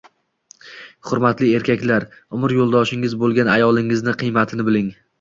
Hurmatli erkaklar, umr yoʻldoshingiz boʻlgan ayolingizni qiymatini biling